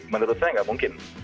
menurut saya nggak mungkin